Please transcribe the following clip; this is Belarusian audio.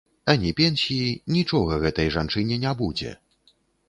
А ні пенсіі, нічога гэтай жанчыне не будзе.